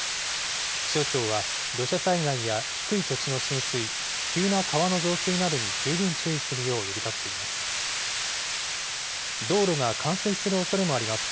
気象庁は、土砂災害や低い土地の浸水、急な川の増水などに十分注意するよう呼びかけています。